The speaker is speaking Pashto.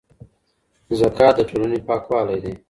زکات د ټولني پاکوالی دی.